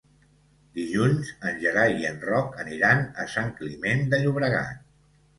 Dilluns en Gerai i en Roc aniran a Sant Climent de Llobregat.